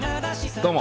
どうも。